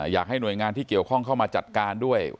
อยากให้หน่วยงานที่เกี่ยวข้องเข้ามาจัดการด้วย